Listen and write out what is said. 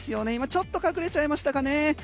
ちょっと隠れちゃいましたかね。